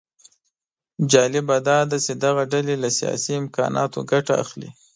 جالبه داده چې دغه ډلې له سیاسي امکاناتو ګټه اخلي